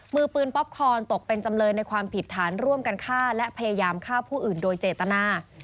มือปืนป๊อปคอนตกเป็นจำเลยในความผิดฐานร่วมกันฆ่าและพยายามฆ่าผู้อื่นโดยเจตนา